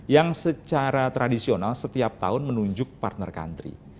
yang secara tradisional setiap tahun menunjuk partner country